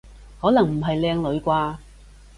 可能唔係靚女啩？